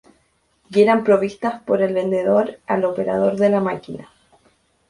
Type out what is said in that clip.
Y eran provistas por el vendedor al operador de la máquina.